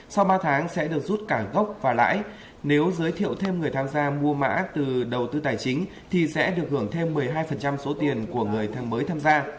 sau ba tháng sẽ được rút cả gốc và lãi nếu giới thiệu thêm người tham gia mua mã từ đầu tư tài chính thì sẽ được hưởng thêm một mươi hai số tiền của người thăng mới tham gia